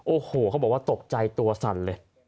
โอ้โหเขาบอกว่าตกใจตัวสั่นเลย